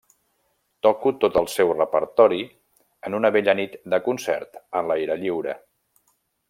Toco tot el seu repertori en una bella nit de concert a l'aire lliure.